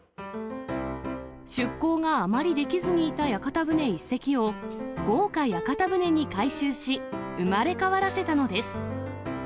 出航があまりできずにいた屋形船１隻を、豪華屋形船に改修し、生まれ変わらせたのです。